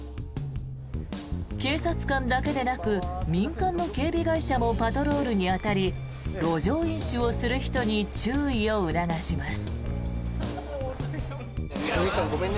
警察官だけでなく民間の警備会社もパトロールに当たり路上飲酒をする人に注意を促します。